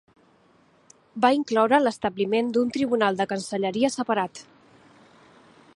Va incloure l'establiment d'un tribunal de cancelleria separat.